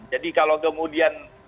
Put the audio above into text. jadi kalau kemudian